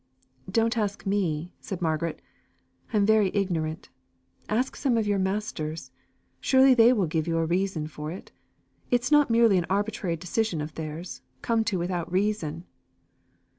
"Don't ask me," said Margaret; "I am very ignorant. Ask some of your masters. Surely they will give you a reason for it. It is not merely an arbitrary decision of theirs, come to without reason."